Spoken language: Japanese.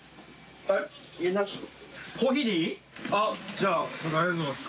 じゃあありがとうございます。